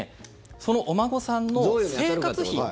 そのお孫さんの生活費。